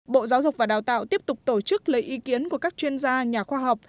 bộ giáo dục và đào tạo tiếp tục tổ chức lấy ý kiến của các chuyên gia nhà khoa học